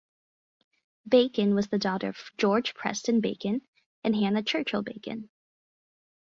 Bacon was the daughter of George Preston Bacon and Hannah Churchill Bacon.